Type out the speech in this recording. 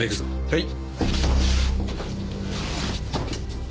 はい。